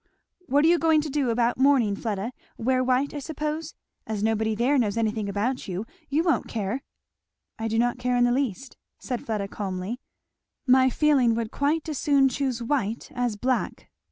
"What are you going to do about mourning, Fleda? wear white, I suppose. As nobody there knows anything about you, you won't care." "I do not care in the least," said Fleda calmly; "my feeling would quite as soon choose white as black.